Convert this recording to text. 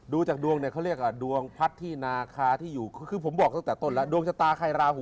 บางคนฝึกเป็น๑๐ปีก็ยังไม่ได้